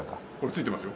ついてます